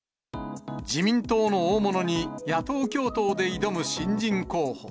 自民党の大物に、野党共闘で挑む新人候補。